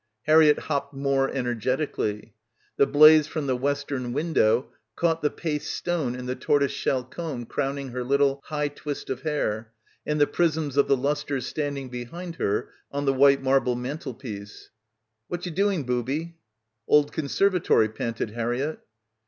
Harriett hopped more energetically. The blaze from the western window caught the paste stone in the tortoise shell comb crowning her little high twist of hair and the prisms of the lustres standing behind her on the white marble mantel piece. "What you doing, booby?" "Old conservatory," panted Harriett.